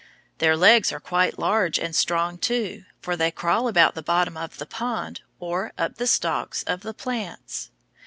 Their legs are quite large and strong, too, for they crawl about the bottom of the pond or up the stalks of the plants.